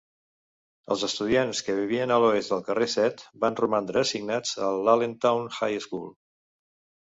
Els estudiants que vivien a l'oest del carrer Set van romandre assignats a l'Allentown High School.